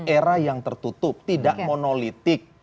era yang tertutup tidak monolitik